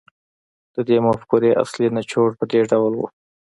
د دې مفکورې اصلي نچوړ په دې ډول و